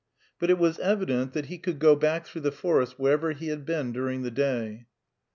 But it was evident that he could go back through the forest wherever he had been during the day.